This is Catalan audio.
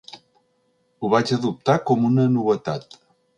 Ho vaig adoptar com una novetat.